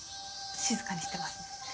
静かにしてますね。